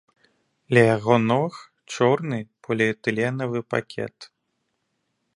Ля яго ног чорны поліэтыленавы пакет.